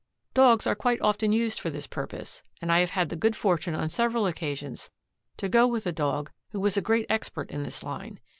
Dogs are quite often used for this purpose, and I have had the good fortune on several occasions to go with a Dog who was a great expert in this line.